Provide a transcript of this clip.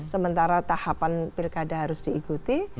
sementara tahapan pilkada harus diikuti